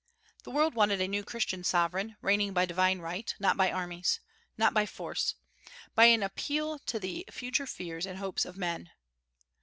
The world wanted a new Christian sovereign, reigning by divine right, not by armies, not by force, by an appeal to the future fears and hopes of men.